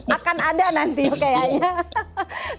akan ada nanti kayaknya